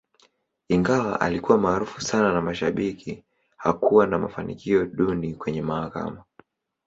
Ingawa alikuwa maarufu sana na mashabiki, hakuwa na mafanikio duni kwenye mahakama.